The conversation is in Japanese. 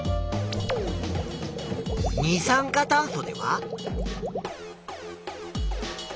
二酸化炭素では。